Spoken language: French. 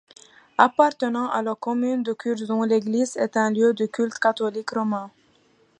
Appartenant à la commune de Curzon, l’église est un lieu de culte catholique romain.